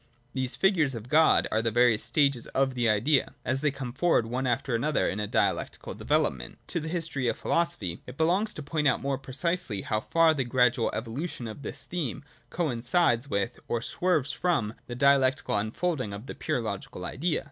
Thes figures of Gods are the various stages of the Idea, as the; come forward one after another in dialectical developmeni To the historian of philosophy it belongs to point out mor precisely, how far the gradual evolution of his theme coin cides with, or swerves from, the dialectical unfolding of th pure logical Idea.